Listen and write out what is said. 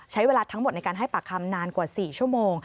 ใช้เวลาทั้งหมดในการให้ปากคำนานกว่า๔ชั่วโมง